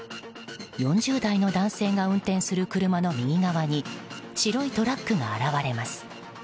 ４０代の男性が運転する車の右側に白いトラックが現れます。